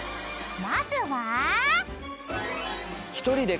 ［まずは］